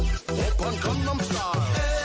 เหตุผลของดำสไตล์